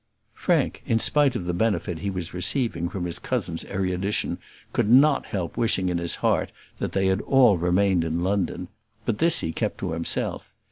Frank, in spite of the benefit he was receiving from his cousin's erudition, could not help wishing in his heart that they had all remained in London; but this he kept to himself.